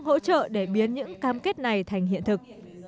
hỗ trợ để biến những cam kết này thành hiện thực